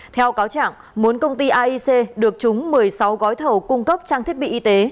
theo cáo chẳng bốn công ty aic được trúng một mươi sáu gói thầu cung cấp trang thiết bị y tế